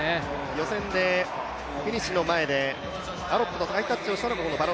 予選でフィニッシュの前でアロップとハイタッチをしました。